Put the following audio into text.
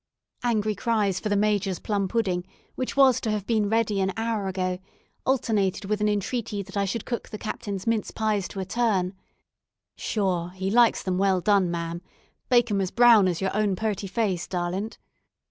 Angry cries for the major's plum pudding, which was to have been ready an hour ago, alternated with an entreaty that I should cook the captain's mince pies to a turn "Sure, he likes them well done, ma'am. Bake 'em as brown as your own purty face, darlint."